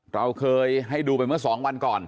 เราเคยให้ดูไปเมื่อ๒วันก่อน